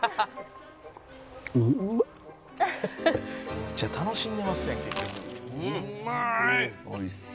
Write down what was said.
「めっちゃ楽しんでますやん結局」うわっ！